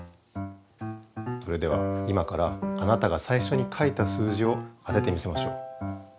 それでは今からあなたが最初に書いた数字を当ててみせましょう。